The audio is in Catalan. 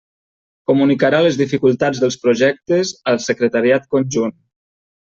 Comunicarà les dificultats dels projectes al Secretariat Conjunt.